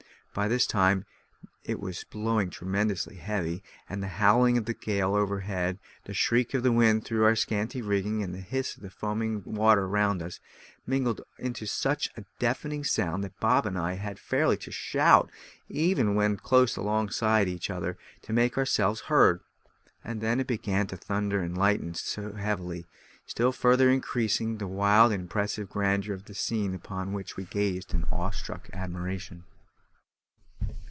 By this time it was blowing tremendously heavy, and the howling of the gale overhead, the shriek of the wind through our scanty rigging, and the hiss of the foaming water around us, mingled into such a deafening sound that Bob and I had fairly to shout, even when close alongside of each other, to make ourselves heard. And then it began to thunder and lighten heavily, still further increasing the wild and impressive grandeur of the scene upon which we gazed in awe struck admiration.